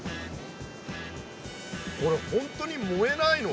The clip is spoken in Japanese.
これ本当に燃えないの？